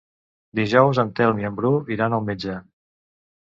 Dijous en Telm i en Bru iran al metge.